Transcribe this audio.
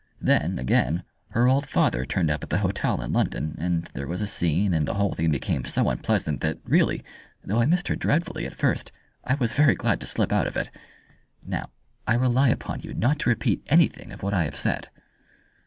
Then, again, her old father turned up at the hotel in London, and there was a scene, and the whole thing became so unpleasant that really though I missed her dreadfully at first I was very glad to slip out of it. Now, I rely upon you not to repeat anything of what I have said."